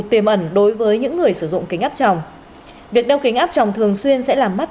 tiềm ẩn đối với những người sử dụng kính áp trồng việc đeo kính áp trồng thường xuyên sẽ làm mất